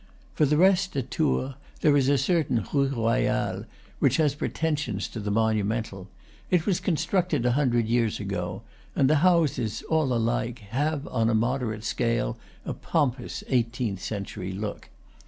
For the rest, at Tours, there is a certain Rue Royale which has pretensions to the monumental; it was constructed a hundred years ago, and the houses, all alike, have on a moderate scale a pompous eighteenth century look.